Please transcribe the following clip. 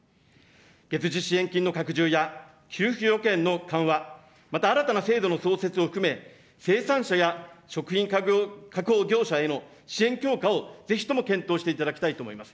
月次支援金の拡充や、給付要件の緩和、またあらたな生産者や食品確保業者への支援強化をぜひとも検討していただきたいと思います。